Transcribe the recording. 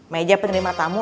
meja penerima tamu